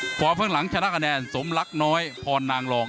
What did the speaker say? พอพกเท่าต้อนจุดประหลังชนะกระแนนสมหรักน้อยพรนางรอง